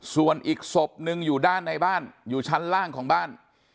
ส่วนอีกศพนึงอยู่ด้านในบ้านอยู่ชั้นล่างของบ้าน